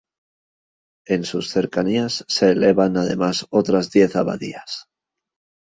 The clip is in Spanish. En sus cercanías se elevaban además otras diez abadías.